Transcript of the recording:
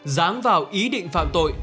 dáng vào ý định phạm tội